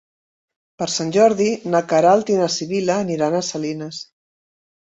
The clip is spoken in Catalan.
Per Sant Jordi na Queralt i na Sibil·la aniran a Salines.